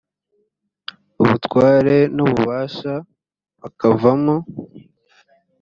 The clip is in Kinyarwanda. ubutware n’ububasha bakavamo